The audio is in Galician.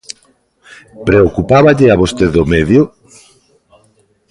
¿Preocupáballe a vostede o medio?